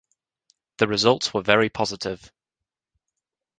The results were very positive.